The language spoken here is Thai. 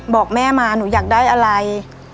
บอกแม่มาหนูอยากได้อะไร